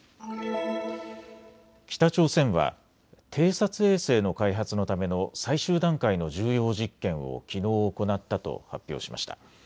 北朝鮮は偵察衛星の開発のための最終段階の重要実験をきのう行ったと発表しました。